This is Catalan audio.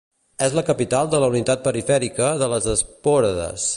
És la capital de la unitat perifèrica de les Espòrades.